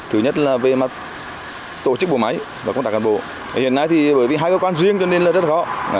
thứ nhất là về mặt tổ chức bộ máy và công tác cán bộ hiện nay thì bởi vì hai cơ quan riêng cho nên là rất khó